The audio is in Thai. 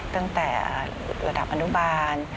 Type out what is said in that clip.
ตั้งแต่ระดับอนุบาล